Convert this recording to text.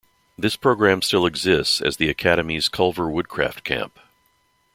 This program still exists as the Academy's Culver Woodcraft Camp.